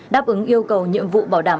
đáp ứng yêu cầu nhiệm vụ bảo đảm